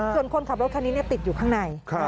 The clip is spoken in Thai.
ส่วนคนขับรถคันนี้ติดอยู่ข้างใน